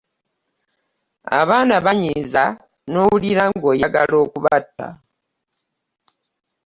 Abaana banyiiza n'owulira ng'oyagala okubatta.